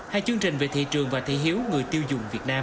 hai chương trình về thị trường và thị hiếu người tiêu dùng việt nam